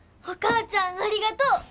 お母ちゃんありがとう！